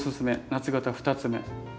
夏型２つ目。